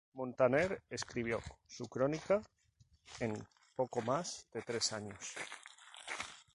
Muntaner escribió su "Crónica" en poco más de tres años.